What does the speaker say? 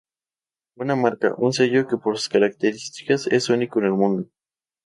Una marca, un sello que por sus características es único en el mundo.